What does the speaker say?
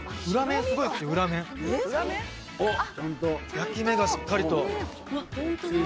焼き目がしっかりと。